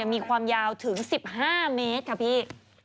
มีความยาวถึง๑๕เมตรค่ะพี่